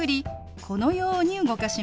このように動かします。